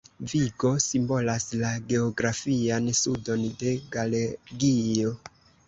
Vigo simbolas la geografian sudon de Galegio.